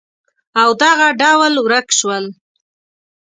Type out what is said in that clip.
او دغه ډول ورک شول